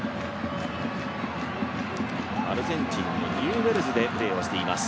アルゼンチンのニューウェルズでプレーをしています。